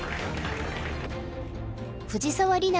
藤沢里菜